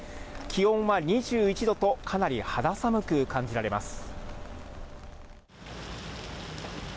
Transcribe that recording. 気温２１度と、かなり肌寒く感じられます。